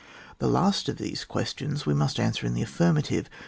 The last of these questions we must answer in the aifirmative.